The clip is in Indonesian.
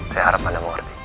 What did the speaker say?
saya harap anda mengerti